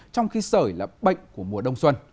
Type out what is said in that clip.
trong khi sởi là bệnh của mùa đông xuân